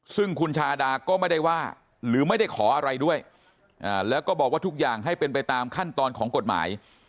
ซึ่งคุณชาดาก็ไม่ได้ว่าหรือไม่ได้ขออะไรด้วยแล้วก็บอกว่าทุกอย่างให้เป็นไปตามขั้นตอนของกฎหมาย